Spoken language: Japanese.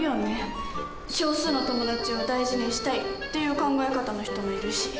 「少数の友達を大事にしたい」っていう考え方の人もいるし。